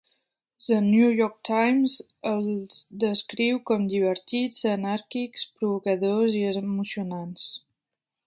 The New York Times els descriu com divertits, anàrquics, provocadors i emocionants.